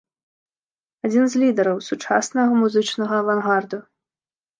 Адзін з лідараў сучаснага музычнага авангарду.